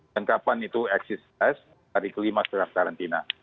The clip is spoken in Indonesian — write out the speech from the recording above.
dan kapan itu exist test hari kelima setelah karantina